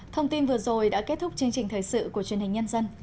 thông tin vừa rồi đã kết thúc chương trình thời sự của truyền hình nhân dân